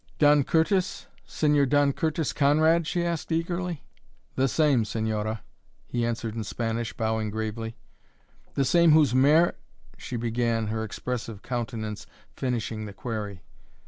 "Don Curtis? Señor Don Curtis Conrad?" she asked eagerly. "The same, señora," he answered in Spanish, bowing gravely. "The same whose mare ?" she began, her expressive countenance finishing the query.